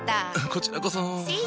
こちらこそ。